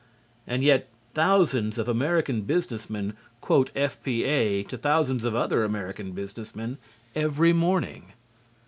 And yet thousands of American business men quote F.P.A. to thousands of other American business men every morning.